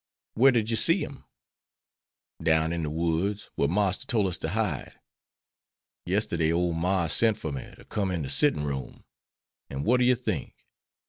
"Where did you see 'em?" "Down in de woods whar Marster tole us to hide. Yesterday ole Marse sent for me to come in de settin' room. An' what do you think?